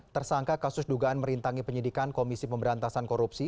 tersangka kasus dugaan merintangi penyidikan komisi pemberantasan korupsi